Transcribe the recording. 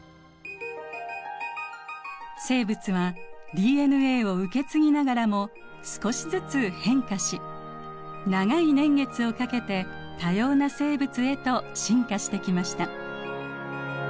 生物はＤＮＡを受け継ぎながらも少しずつ変化し長い年月をかけて多様な生物へと進化してきました。